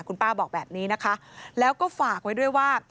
คุณป้าบอกแบบนี้นะคะแล้วก็ฝากไว้ด้วยว่า